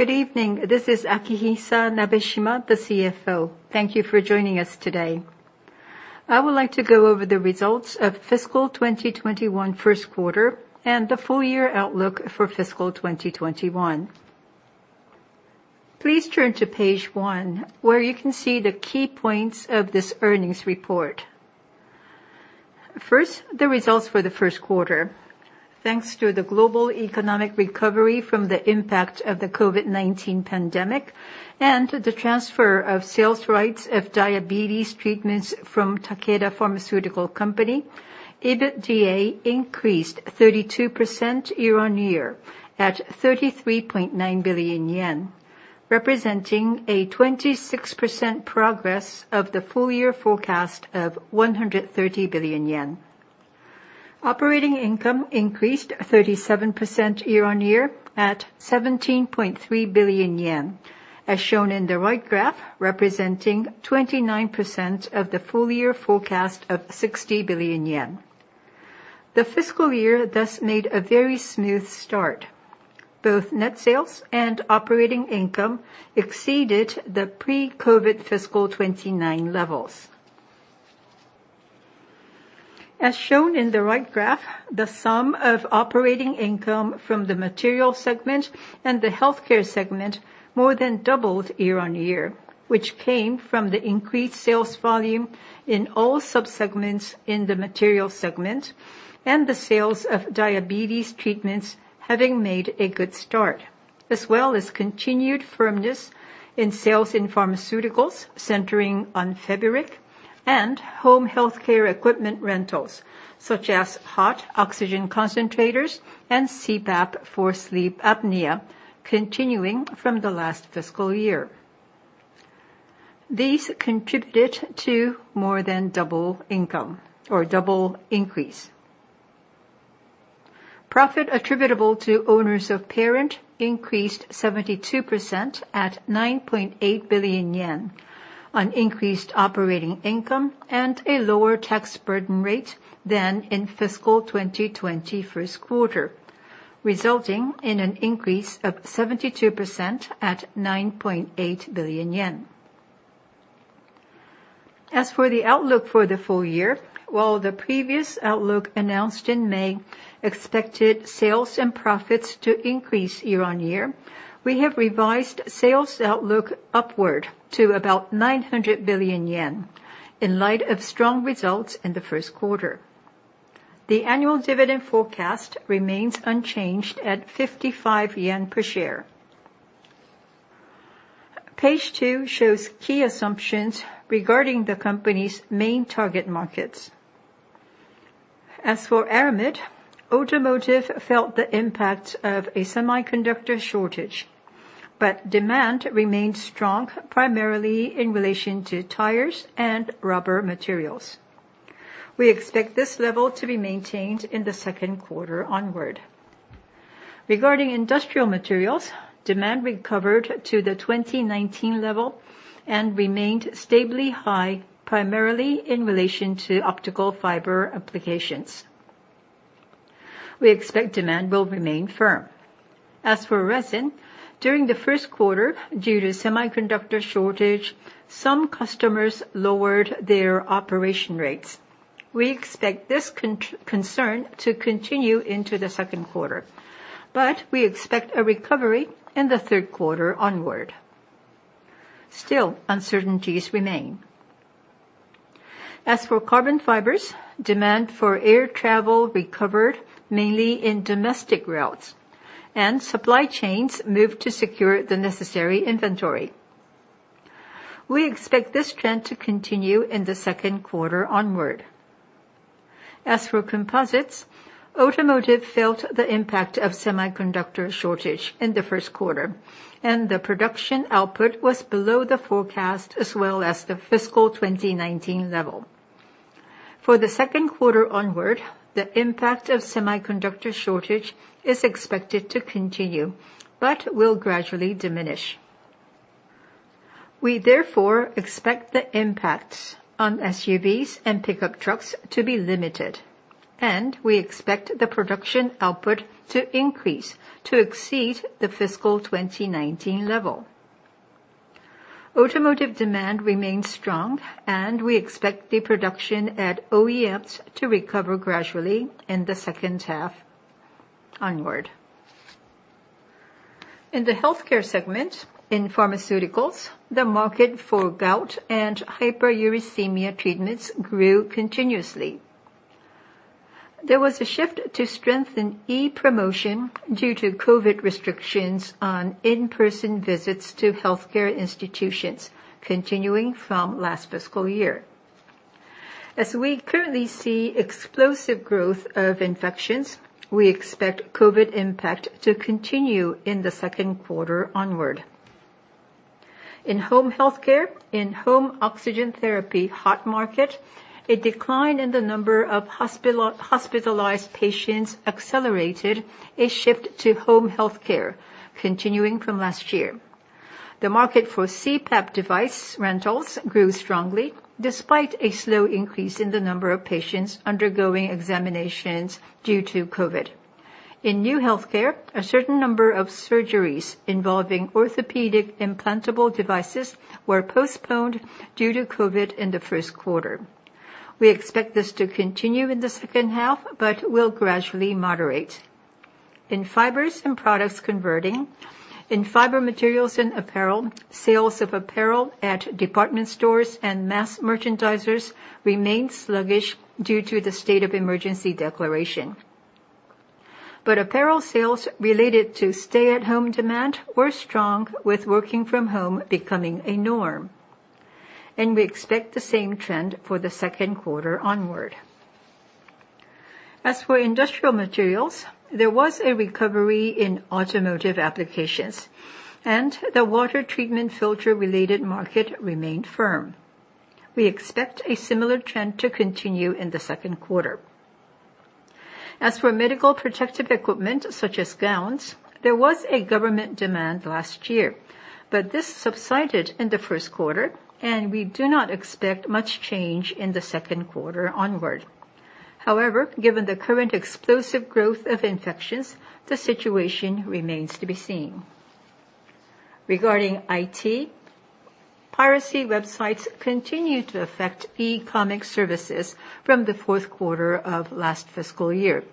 Good evening. This is Akihisa Nabeshima, the CFO. Thank you for joining us today. I would like to go over the results of fiscal 2021 first quarter and the full year outlook for fiscal 2021. Please turn to page one, where you can see the key points of this earnings report. First, the results for the first quarter. Thanks to the global economic recovery from the impact of the COVID-19 pandemic and the transfer of sales rights of diabetes treatments from Takeda Pharmaceutical Company, EBITDA increased 32% year-on-year at 33.9 billion yen, representing a 26% progress of the full year forecast of 130 billion yen. Operating income increased 37% year-on-year at 17.3 billion yen, as shown in the right graph, representing 29% of the full year forecast of 60 billion yen. The fiscal year thus made a very smooth start. Both net sales and operating income exceeded the pre-COVID fiscal 2019 levels. As shown in the right graph, the sum of operating income from the materials segment and the healthcare segment more than doubled year-on-year, which came from the increased sales volume in all sub-segments in the materials segment and the sales of diabetes treatments having made a good start, as well as continued firmness in sales in pharmaceuticals centering on Feburic and home healthcare equipment rentals, such as HOT oxygen concentrators and CPAP for sleep apnea continuing from the last fiscal year. These contributed to more than double increase. Profit attributable to owners of parent increased 72% at 9.8 billion yen on increased operating income and a lower tax burden rate than in fiscal 2020 first quarter, resulting in an increase of 72% at 9.8 billion yen. As for the outlook for the full year, while the previous outlook announced in May expected sales and profits to increase year-on-year, we have revised sales outlook upward to about 900 billion yen in light of strong results in the first quarter. The annual dividend forecast remains unchanged at 55 yen per share. Page two shows key assumptions regarding the company's main target markets. As for aramid, automotive felt the impact of a semiconductor shortage, but demand remained strong, primarily in relation to tires and rubber materials. We expect this level to be maintained in the second quarter onward. Regarding industrial materials, demand recovered to the 2019 level and remained stably high, primarily in relation to optical fiber applications. We expect demand will remain firm. As for resin, during the first quarter, due to semiconductor shortage, some customers lowered their operation rates. We expect this concern to continue into the second quarter, but we expect a recovery in the third quarter onward. Still, uncertainties remain. As for carbon fibers, demand for air travel recovered mainly in domestic routes, and supply chains moved to secure the necessary inventory. We expect this trend to continue in the second quarter onward. As for composites, automotive felt the impact of semiconductor shortage in the first quarter, and the production output was below the forecast as well as the fiscal 2019 level. For the second quarter onward, the impact of semiconductor shortage is expected to continue, but will gradually diminish. We therefore expect the impacts on SUVs and pickup trucks to be limited, and we expect the production output to increase to exceed the fiscal 2019 level. Automotive demand remains strong, and we expect the production at OEMs to recover gradually in the second half onward. In the healthcare segment, in pharmaceuticals, the market for gout and hyperuricemia treatments grew continuously. There was a shift to strengthen e-promotion due to COVID restrictions on in-person visits to healthcare institutions continuing from last fiscal year. As we currently see explosive growth of infections, we expect COVID impact to continue in the second quarter onward. In home healthcare, in Home Oxygen Therapy (HOT) market, a decline in the number of hospitalized patients accelerated a shift to home healthcare continuing from last year. The market for CPAP device rentals grew strongly despite a slow increase in the number of patients undergoing examinations due to COVID. In new healthcare, a certain number of surgeries involving orthopedic implantable devices were postponed due to COVID in the first quarter. We expect this to continue in the second half, but will gradually moderate. In fibers and products converting, in fiber materials and apparel, sales of apparel at department stores and mass merchandisers remained sluggish due to the state of emergency declaration. Apparel sales related to stay-at-home demand were strong, with working from home becoming a norm. We expect the same trend for the second quarter onward. As for industrial materials, there was a recovery in automotive applications, and the water treatment filter related market remained firm. We expect a similar trend to continue in the second quarter. As for medical protective equipment, such as gowns, there was a government demand last year, but this subsided in the first quarter, and we do not expect much change in the second quarter onward. Given the current explosive growth of infections, the situation remains to be seen. Regarding IT, piracy websites continue to affect e-comic services from the fourth quarter of last fiscal year.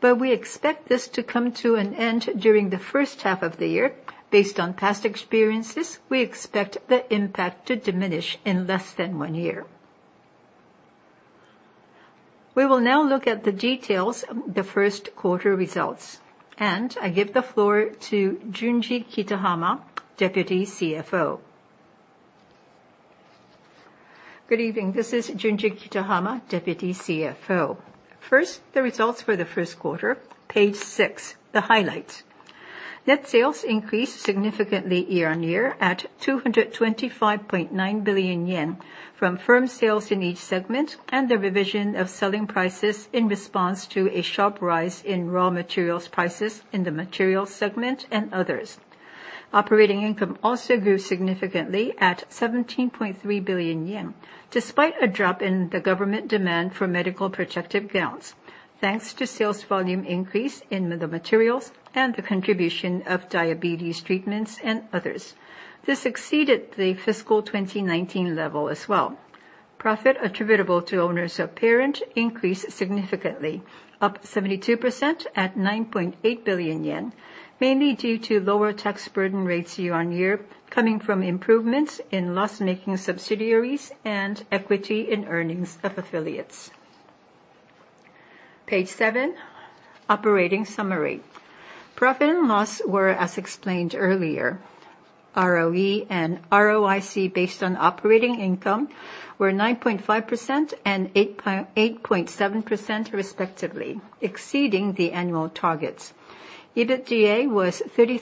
We expect this to come to an end during the first half of the year. Based on past experiences, we expect the impact to diminish in less than one year. We will now look at the details of the first quarter results, I give the floor to Junji Kitahama, Deputy CFO. Good evening. This is Junji Kitahama, Deputy CFO. First, the results for the first quarter, page six, the highlights. Net sales increased significantly year-on-year at 225.9 billion yen from firm sales in each segment and the revision of selling prices in response to a sharp rise in raw materials prices in the materials segment and others. Operating income also grew significantly at 17.3 billion yen, despite a drop in the government demand for medical protective gowns, thanks to sales volume increase in the materials and the contribution of diabetes treatments and others. This exceeded the fiscal 2019 level as well. Profit attributable to owners of parent increased significantly, up 72% at 9.8 billion yen, mainly due to lower tax burden rates year on year, coming from improvements in loss-making subsidiaries and equity in earnings of affiliates. Page seven, operating summary. Profit and loss were as explained earlier. ROE and ROIC based on operating income were 9.5% and 8.7% respectively, exceeding the annual targets. EBITDA was JPY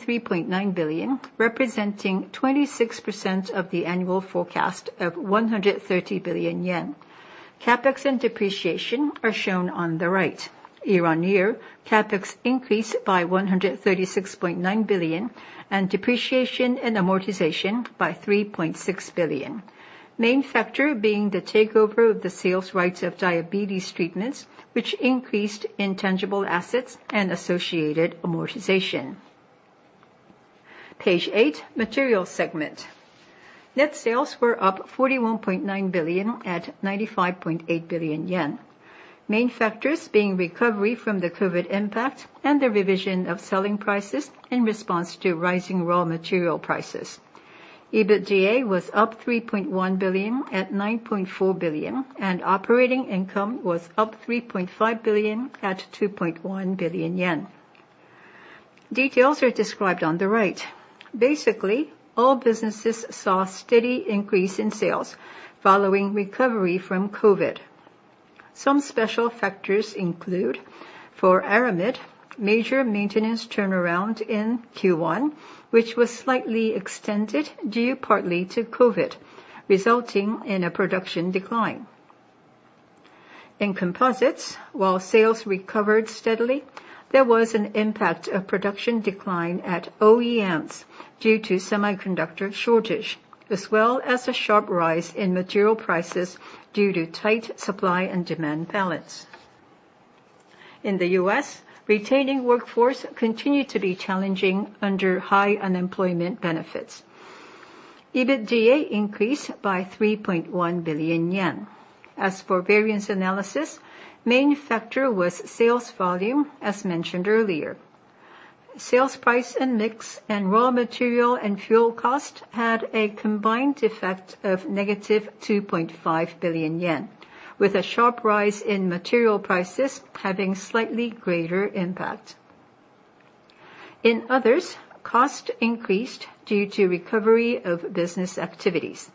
33.9 billion, representing 26% of the annual forecast of 130 billion yen. CapEx and depreciation are shown on the right. Year on year, CapEx increased by JPY 136.9 billion and depreciation and amortization by JPY 3.6 billion. Main factor being the takeover of the sales rights of diabetes treatments, which increased intangible assets and associated amortization. Page eight, materials segment. Net sales were up 41.9 billion at 95.8 billion yen. Main factors being recovery from the COVID-19 impact and the revision of selling prices in response to rising raw material prices. EBITDA was up 3.1 billion at 9.4 billion, and operating income was up 3.5 billion at 2.1 billion yen. Details are described on the right. Basically, all businesses saw steady increase in sales following recovery from COVID-19. Some special factors include, for aramid, major maintenance turnaround in Q1, which was slightly extended due partly to COVID-19, resulting in a production decline. In composites, while sales recovered steadily, there was an impact of production decline at OEMs due to semiconductor shortage, as well as a sharp rise in material prices due to tight supply and demand balance. In the U.S., retaining workforce continued to be challenging under high unemployment benefits. EBITDA increased by 3.1 billion yen. As for variance analysis, main factor was sales volume, as mentioned earlier. Sales price and mix and raw material and fuel cost had a combined effect of negative 2.5 billion yen, with a sharp rise in material prices having slightly greater impact. In others, cost increased due to recovery of business activities.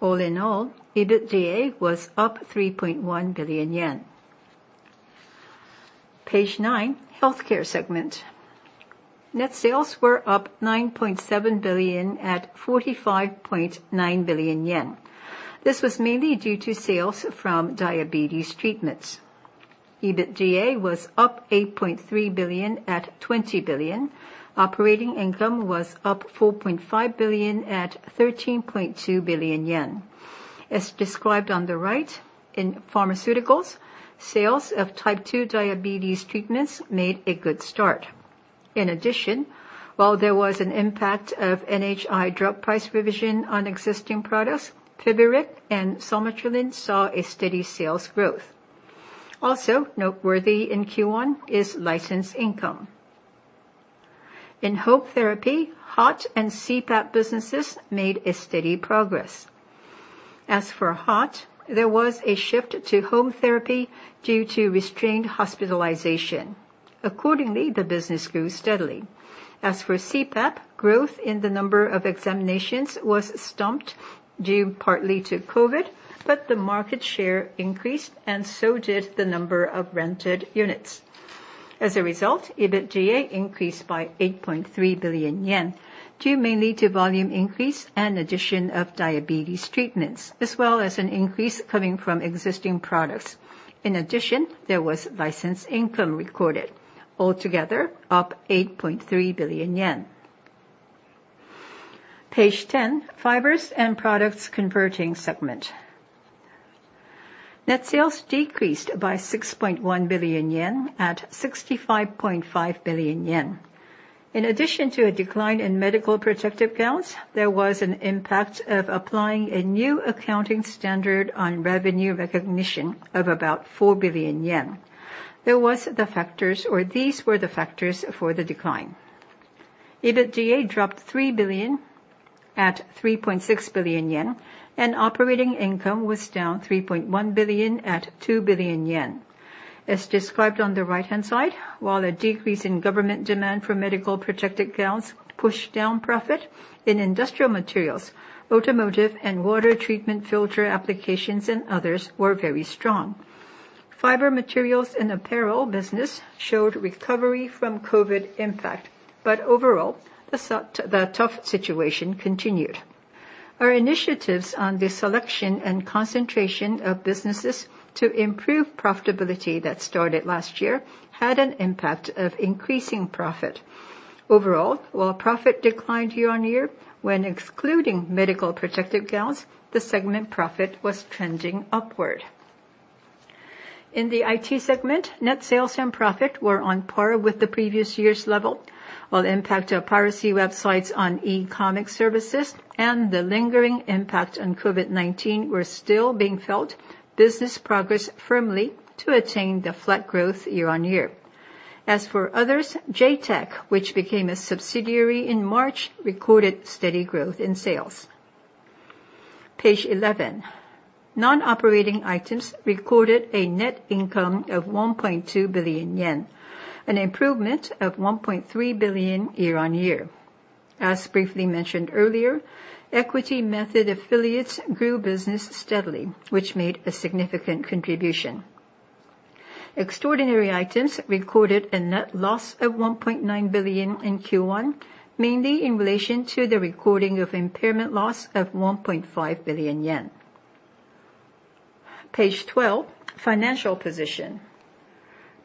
All in all, EBITDA was up 3.1 billion yen. Page nine, healthcare segment. Net sales were up 9.7 billion at 45.9 billion yen. This was mainly due to sales from diabetes treatments. EBITDA was up 8.3 billion at 20 billion. Operating income was up 4.5 billion at 13.2 billion yen. As described on the right, in pharmaceuticals, sales of Type 2 diabetes treatments made a good start. In addition, while there was an impact of NHI drug price revision on existing products, Feburic and Somatuline saw a steady sales growth. Also noteworthy in Q1 is license income. In home therapy, HOT and CPAP businesses made a steady progress. As for HOT, there was a shift to home therapy due to restrained hospitalization. The business grew steadily. As for CPAP, growth in the number of examinations was stumped due partly to COVID-19, but the market share increased, and so did the number of rented units. As a result, EBITDA increased by 8.3 billion yen due mainly to volume increase and addition of diabetes treatments, as well as an increase coming from existing products. In addition, there was license income recorded, altogether up 8.3 billion yen. Page 10, Fibers and Products Converting Segment. Net sales decreased by 6.1 billion yen at 65.5 billion yen. In addition to a decline in medical protective gowns, there was an impact of applying a new accounting standard on revenue recognition of about 4 billion yen. These were the factors for the decline. EBITDA dropped 3 billion at 3.6 billion yen, and operating income was down 3.1 billion at 2 billion yen. As described on the right-hand side, while a decrease in government demand for medical protective gowns pushed down profit, in industrial materials, automotive and water treatment filter applications and others were very strong. Fiber materials and apparel business showed recovery from COVID impact, but overall, the tough situation continued. Our initiatives on the selection and concentration of businesses to improve profitability that started last year had an impact of increasing profit. Overall, while profit declined year-on-year, when excluding medical protective gowns, the segment profit was trending upward. In the IT segment, net sales and profit were on par with the previous year's level. While impact of piracy websites on e-comic services and the lingering impact on COVID-19 were still being felt, business progressed firmly to attain the flat growth year-on-year. As for others, J-TEC, which became a subsidiary in March, recorded steady growth in sales. Page 11. Nonoperating items recorded a net income of 1.2 billion yen, an improvement of 1.3 billion year-on-year. As briefly mentioned earlier, equity method affiliates grew business steadily, which made a significant contribution. Extraordinary items recorded a net loss of 1.9 billion in Q1, mainly in relation to the recording of impairment loss of 1.5 billion yen. Page 12, Financial Position.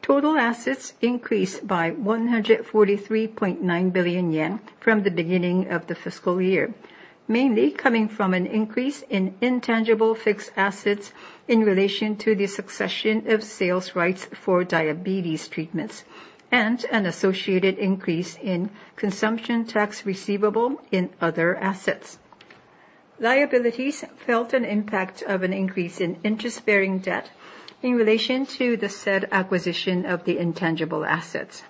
Total assets increased by 143.9 billion yen from the beginning of the fiscal year, mainly coming from an increase in intangible fixed assets in relation to the succession of sales rights for diabetes treatments, and an associated increase in consumption tax receivable in other assets. Liabilities felt an impact of an increase in interest-bearing debt in relation to the said acquisition of the intangible assets.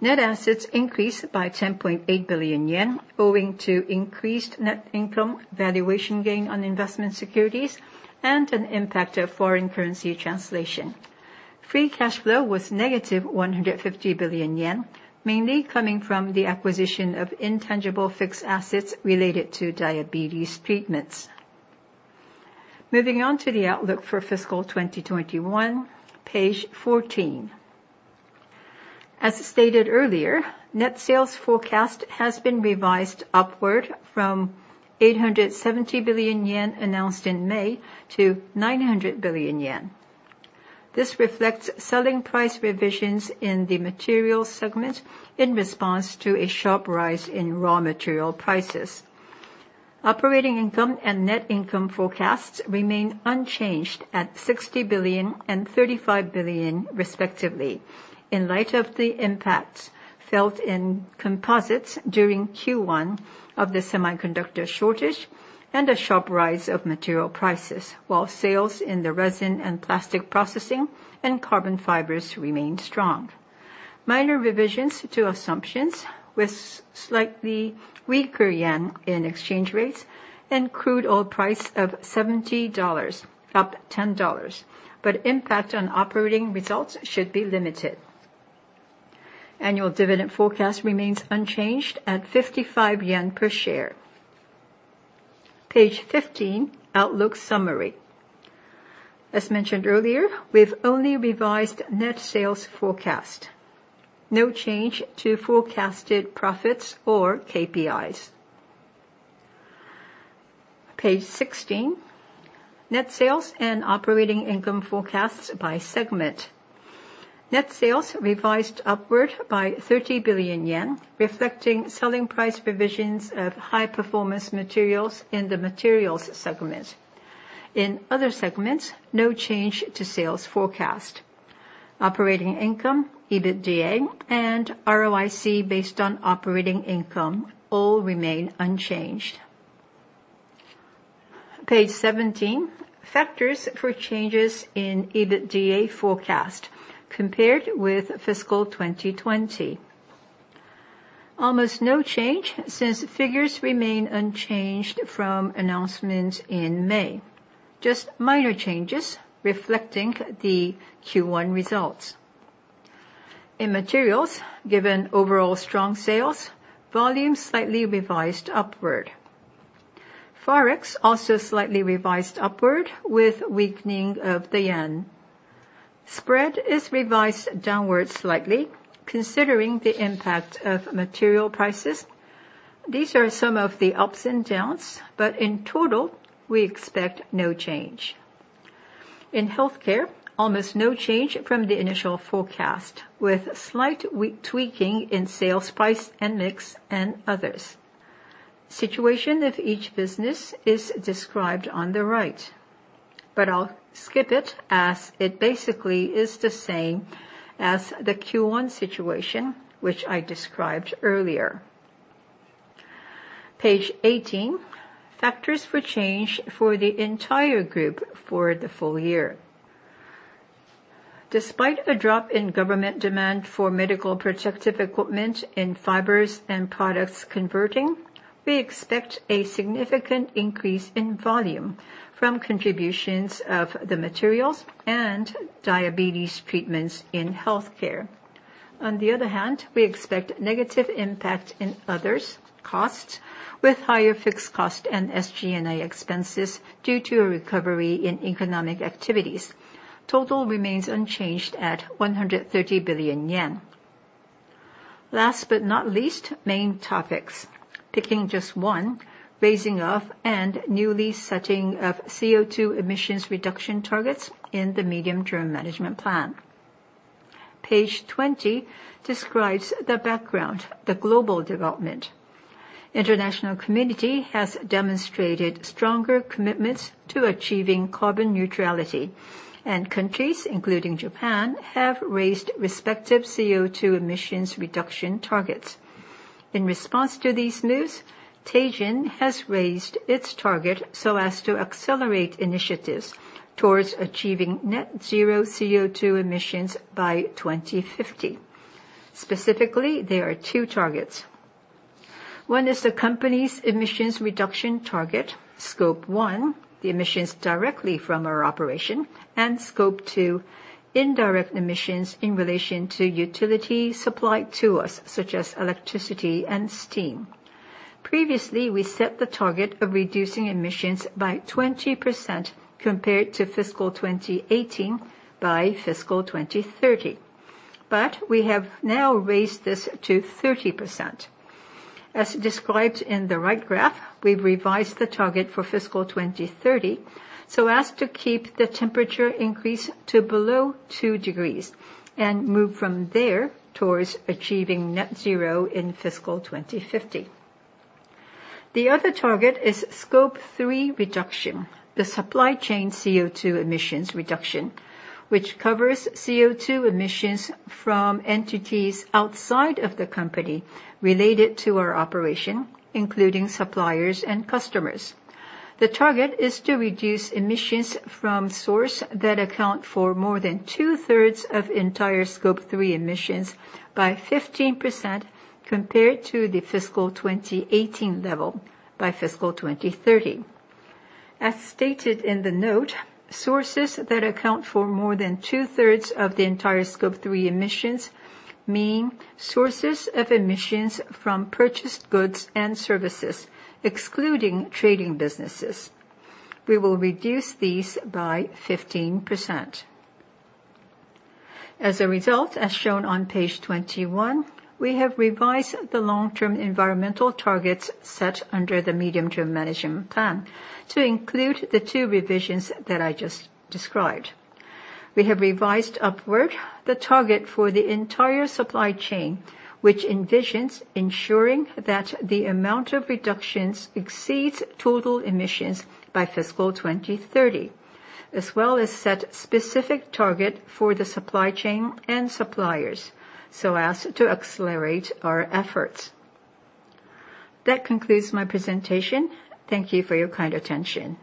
Net assets increased by 10.8 billion yen, owing to increased net income, valuation gain on investment securities, and an impact of foreign currency translation. Free cash flow was negative 150 billion yen, mainly coming from the acquisition of intangible fixed assets related to diabetes treatments. Moving on to the outlook for fiscal 2021, page 14. As stated earlier, net sales forecast has been revised upward from 870 billion yen announced in May to 900 billion yen. This reflects selling price revisions in the materials segment in response to a sharp rise in raw material prices. Operating income and net income forecasts remain unchanged at 60 billion and 35 billion respectively, in light of the impact felt in composites during Q1 of the semiconductor shortage and a sharp rise of material prices, while sales in the resin and plastic processing and carbon fibers remained strong. Minor revisions to assumptions with slightly weaker JPY in exchange rates and crude oil price of $70, up $10. Impact on operating results should be limited. Annual dividend forecast remains unchanged at 55 yen per share. Page 15, Outlook Summary. As mentioned earlier, we've only revised net sales forecast. No change to forecasted profits or KPIs. Page 16, Net Sales and Operating Income Forecasts by Segment. Net sales revised upward by 30 billion yen, reflecting selling price provisions of high-performance materials in the materials segment. In other segments, no change to sales forecast. Operating income, EBITDA, and ROIC based on operating income all remain unchanged. Page 17, factors for changes in EBITDA forecast compared with fiscal 2020. Almost no change since figures remain unchanged from announcements in May, just minor changes reflecting the Q1 results. In materials, given overall strong sales, volume slightly revised upward. Forex also slightly revised upward with weakening of the yen. Spread is revised downward slightly considering the impact of material prices. These are some of the ups and downs, in total, we expect no change. In healthcare, almost no change from the initial forecast, with slight tweaking in sales price and mix and others. Situation of each business is described on the right, but I'll skip it as it basically is the same as the Q1 situation, which I described earlier. Page 18, factors for change for the entire group for the full year. Despite a drop in government demand for medical protective equipment in fibers and products converting, we expect a significant increase in volume from contributions of the materials and diabetes treatments in healthcare. We expect negative impact in others costs with higher fixed costs and SG&A expenses due to a recovery in economic activities. Total remains unchanged at 130 billion yen. Main topics. Picking just one, raising of and newly setting of CO2 emissions reduction targets in the medium-term management plan. Page 20 describes the background, the global development. International community has demonstrated stronger commitments to achieving carbon neutrality, and countries including Japan have raised respective CO2 emissions reduction targets. In response to these moves, Teijin has raised its target so as to accelerate initiatives towards achieving net zero CO2 emissions by 2050. Specifically, there are two targets. One is the company's emissions reduction target, Scope 1, the emissions directly from our operation, and Scope 2, indirect emissions in relation to utility supplied to us, such as electricity and steam. Previously, we set the target of reducing emissions by 20% compared to fiscal 2018 by fiscal 2030, but we have now raised this to 30%. As described in the right graph, we revised the target for fiscal 2030 so as to keep the temperature increase to below two degrees and move from there towards achieving net zero in fiscal 2050. The other target is Scope 3 reduction, the supply chain CO2 emissions reduction, which covers CO2 emissions from entities outside of the company related to our operation, including suppliers and customers. The target is to reduce emissions from sources that account for more than two-thirds of entire Scope 3 emissions by 15% compared to the fiscal 2018 level by fiscal 2030. As stated in the note, sources that account for more than two-thirds of the entire Scope 3 emissions mean sources of emissions from purchased goods and services, excluding trading businesses. We will reduce these by 15%. As a result, as shown on page 21, we have revised the long-term environmental targets set under the medium-term management plan to include the two revisions that I just described. We have revised upward the target for the entire supply chain, which envisions ensuring that the amount of reductions exceeds total emissions by fiscal 2030, as well as set specific target for the supply chain and suppliers so as to accelerate our efforts. That concludes my presentation. Thank you for your kind attention.